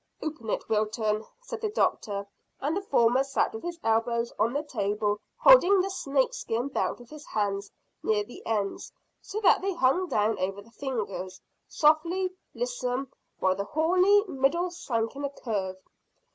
"Open it, Wilton," said the doctor, and the former sat with his elbows on the table holding the snakeskin belt with his hands near the ends, so that they hung down over the fingers, softly lissome, while the horny middle sank in a curve.